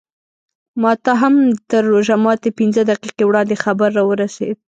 ماته هم تر روژه ماتي پینځه دقیقې وړاندې خبر راورسېد.